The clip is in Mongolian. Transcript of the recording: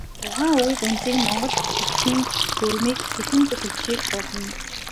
Тухайн үгийн үндсийг монгол бичгийн дүрмээр хэрхэн зөв бичихийг харуулна.